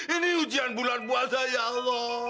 ini ujian bulan puasa ya allah